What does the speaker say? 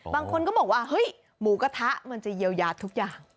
บางคนก็บอกว่าเฮ้ยหมูกระทะมันจะเยียวยาทุกอย่าง